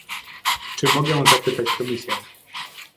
Czy mogę zapytać Komisję